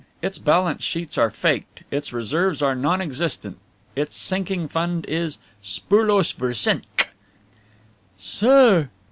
Its balance sheets are faked, its reserves are non existent. Its sinking fund is spurlos versenkt." "Sir!"